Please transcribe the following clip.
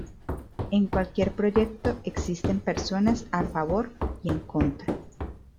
En cualquier proyecto existen personas a favor y en contra.